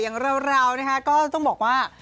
อย่างเรานะคะก็ต้องบอกว่า